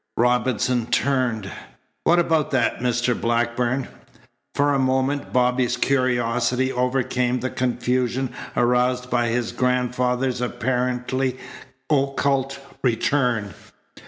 Robinson turned. "What about that, Mr. Blackburn?" For a moment Bobby's curiosity overcame the confusion aroused by his grandfather's apparently occult return.